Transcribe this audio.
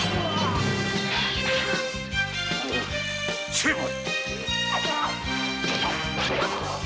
成敗！